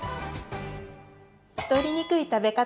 太りにくい食べ方。